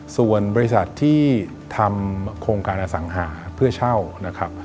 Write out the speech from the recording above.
ส่วนบริษัทที่ทำโครงการอสังหาเพื่อเช่านะครับ